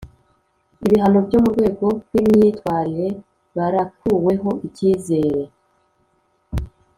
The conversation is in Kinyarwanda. ibihano byo mu rwego rw’imyitwarire, barakuweho icyizere,